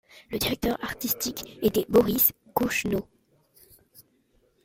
Le directeur artistique était Boris Kochno.